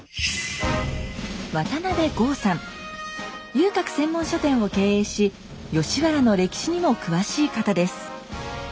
遊郭専門書店を経営し吉原の歴史にも詳しい方です。